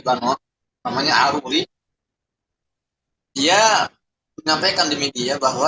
bano namanya al uli dia menyampaikan di media bahwa